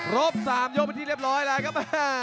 ครบ๓ยกเป็นที่เรียบร้อยแล้วครับ